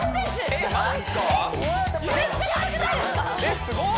えっすごい！